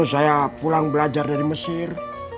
saya pulang belajar dari mesir